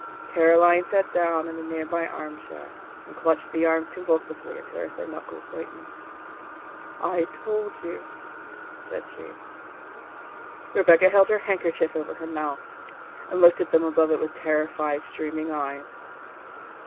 Caroline sat down in a nearby armchair, and clutched the arms convulsively until her thin knuckles whitened. "I told you," said she. Rebecca held her handkerchief over her mouth, and looked at them above it with terrified, streaming eyes.